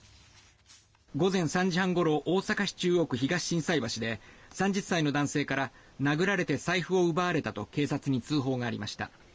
午前３時半ごろ大阪市中央区東心斎橋で３０歳の男性から殴られて財布を奪われたと警察に通報がありました。